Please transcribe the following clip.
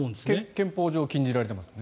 憲法上禁じられてますよね。